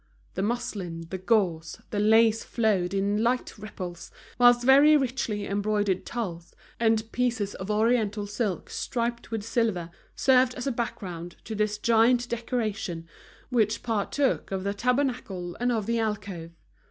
The muslin, the gauze, the lace flowed in light ripples, whilst very richly embroidered tulles, and pieces of oriental silk striped with silver, served as a background to this giant decoration, which partook of the tabernacle and of the alcove.